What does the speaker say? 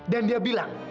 dan dia bilang